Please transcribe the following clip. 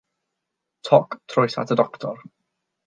Toc, troes at y doctor.